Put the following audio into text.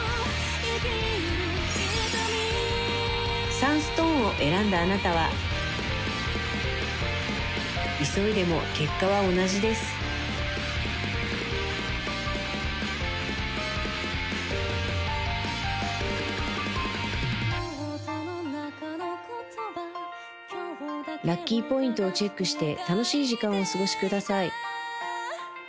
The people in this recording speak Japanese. サンストーンを選んだあなたは急いでも結果は同じですラッキーポイントをチェックして楽しい時間をお過ごしください